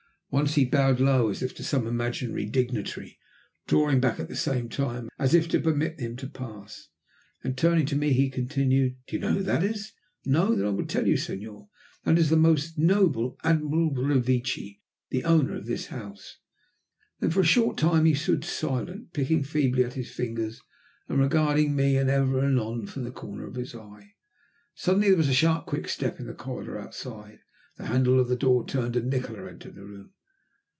Once he bowed low as if to some imaginary dignitary, drawing back at the same time, as if to permit him to pass. Then turning to me he continued, "Do you know who that is? No! Then I will tell you. Senor, that is the most noble Admiral Revecce, the owner of this house." Then for a short time he stood silent, picking feebly at his fingers and regarding me ever and anon from the corner of his eye. Suddenly there was a sharp quick step in the corridor outside, the handle of the door turned, and Nikola entered the room.